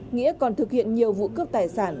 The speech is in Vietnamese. nghĩa còn thực hiện nhiều vụ cướp tài sản